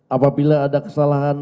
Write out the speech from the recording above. apabila ada kesalahan